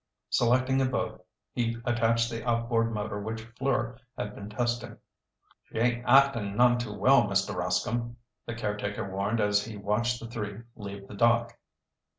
Selecting a boat, he attached the outboard motor which Fleur had been testing. "She ain't acting none too well, Mr. Rascomb," the caretaker warned as he watched the three leave the dock.